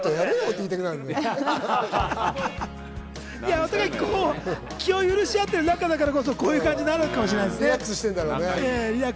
お互い気を許し合ってる仲だからこそ、こういうふうになるのかもしれませんね。